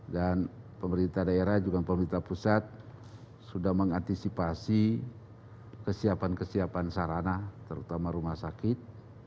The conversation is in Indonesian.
pemerintah daerah juga pemerintah pusat sudah mengantisipasi kesiapan kesiapan sarana terutama rumah sakit